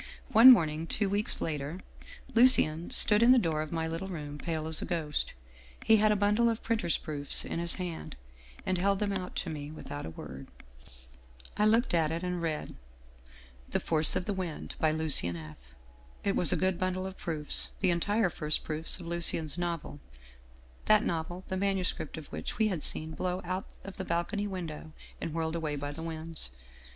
One morn ing, two weeks later, Lucien stood in the door of my little room, pale as a ghost. He had a bundle of printer's proofs in his hand, and held them out to me without a word. 264 Otto Larssen " I looked at it and read :"'" The Force of the Wind," by Lucien F.' " It was a good bundle of proofs, the entire first proofs of Lucien's novel, that novel the manuscript of which we had seen blown out of the balcony window and whirled away by the winds.